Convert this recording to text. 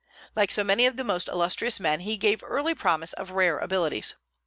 Like so many of the most illustrious men, he early gave promise of rare abilities.